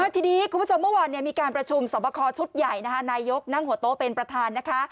ทีนี้คุณผู้ชมเมื่อวานมีการประชุมสอบคอชุดใหญ่นะคะนายกนั่งหัวโต๊ะเป็นประธานนะคะ